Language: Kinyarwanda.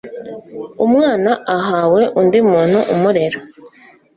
umwana ahawe undi muntu umurera